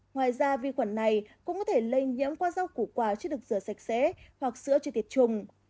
ngoài ra vi khuẩn này cũng có thể lây nhiễm qua rau củ quả chưa được rửa sạch sẽ hoặc sữa chưa tiệt trùng